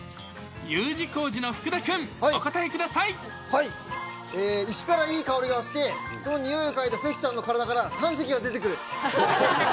Ｕ字工事の福田君、お答えく石からいい香りがして、その匂いを嗅いだ関ちゃんの体から胆石が出てくる。